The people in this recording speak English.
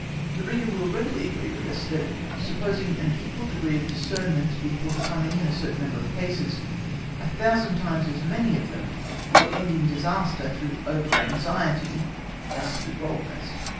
The reader will readily agree with us that, supposing an equal degree of discernment to be forthcoming in a certain number of cases, a thousand times as many of them will end in disaster through over anxiety as through boldness.